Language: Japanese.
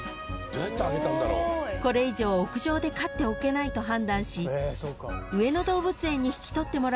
［これ以上屋上で飼っておけないと判断し］